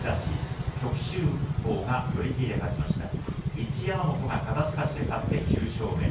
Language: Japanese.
一山本は肩すかしで勝って９勝目。